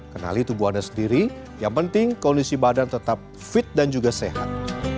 kenali tubuh anda sendiri yang penting kondisi badan tetap fit dan juga sehat